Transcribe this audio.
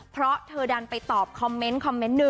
เพราะเธอดันไปตอบคอมเมนต์